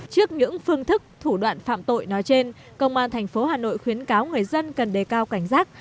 trước những phương thức thủ đoạn phạm tội nói trên công an tp hà nội khuyến cáo người dân cần đề cao cảnh giác